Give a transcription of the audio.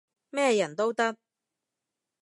咩人都得